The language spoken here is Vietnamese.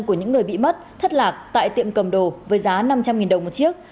của những người bị mất thất lạc tại tiệm cầm đồ với giá năm trăm linh đồng một chiếc